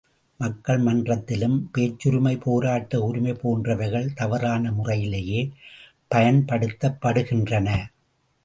மக்கள் மன்றத்திலும் பேச்சுரிமை, போராட்ட உரிமை போன்றவைகள் தவறான முறையிலேயே பயன்படுத்தப் படுகின்றன.